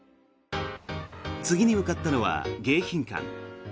次に向かったのは迎賓館。